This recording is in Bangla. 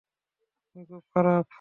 তুমি খুব খারাপ।